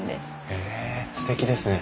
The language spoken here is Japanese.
へえすてきですね。